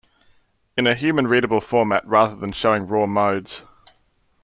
in a human-readable format, rather than showing raw modes.